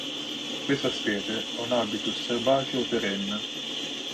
Questa specie ha un habitus erbaceo perenne.